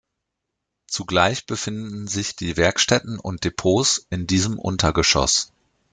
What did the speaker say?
Zugleich befinden sich die Werkstätten und Depots in diesem Untergeschoss.